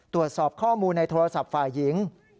ตรวจสอบข้อมูลในโทรศัพท์ฝ่ายหญิง